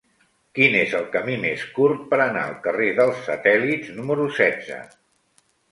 Quin és el camí més curt per anar al carrer dels Satèl·lits número setze?